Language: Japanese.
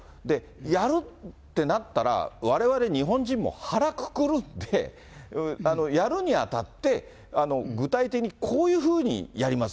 やるってなったら、われわれ日本人も腹くくるって、やるにあたって、具体的にこういうふうにやります。